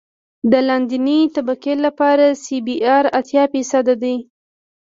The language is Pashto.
د لاندنۍ طبقې لپاره سی بي ار اتیا فیصده دی